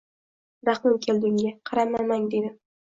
Rahmim keldi unga: «qamamang, — dedim. –